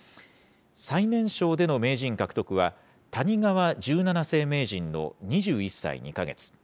最年少での名人獲得は、谷川十七世名人の２１歳２か月。